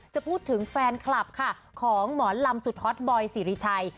จะพูดถึงแฟนคลับค่ะของหมอลำสุดฮอตบอยสิริชัย